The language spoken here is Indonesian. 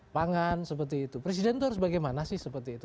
pangan seperti itu presiden itu harus bagaimana sih seperti itu